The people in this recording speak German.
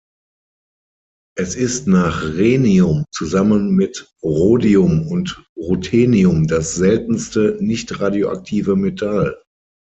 Es ist nach Rhenium zusammen mit Rhodium und Ruthenium das seltenste nicht-radioaktive Metall.